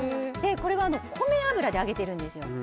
これは米油で揚げているんですよ。